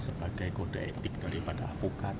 sebagai kode etik daripada avokat